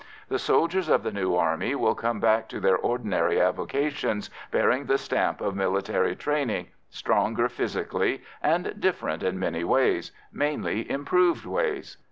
The soldiers of the new army will come back to their ordinary avocations bearing the stamp of military training, stronger physically, and different in many ways mainly improved ways.